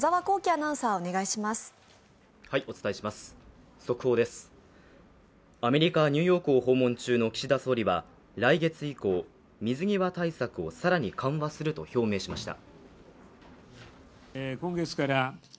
アメリカ・ニューヨークを訪問中の岸田総理は来月以降水際対策を更に緩和すると表明しました。